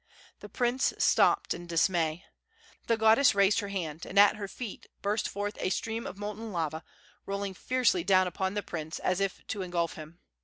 The prince stopped in dismay. The goddess raised her hand, and at her feet burst forth a stream of molten lava, rolling fiercely down upon the prince, as if to engulf him.